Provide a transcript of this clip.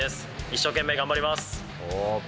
一生懸命頑張ります。